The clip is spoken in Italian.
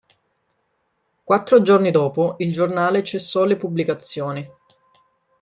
Quattro giorni dopo il giornale cessò le pubblicazioni.